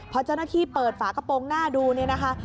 พอเจ้าหน้าที่เปิดฝากระโปรงหน้าดูเนี่ยนะคะ